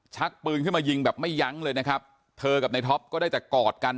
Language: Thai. ชักปืนขึ้นมายิงแบบไม่ยั้งเลยนะครับเธอกับในท็อปก็ได้แต่กอดกัน